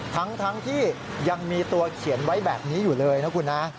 ทั้งที่ยังมีตัวเขียนไว้แบบนี้อยู่เลยนะคุณนะ